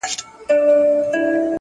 له څه مودې ترخ يم خـــوابــــدې هغه,